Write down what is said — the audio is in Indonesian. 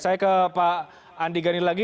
saya ke pak andi gani lagi